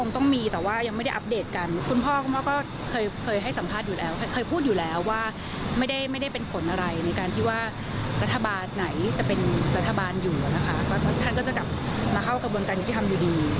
ท่านก็จะกลับมาเข้ากับวันการกิจธรรมอยู่ดี